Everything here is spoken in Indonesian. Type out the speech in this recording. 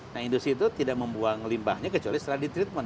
nah industri itu tidak membuang limbahnya kecuali setelah ditreatment